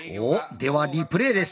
ではリプレーです。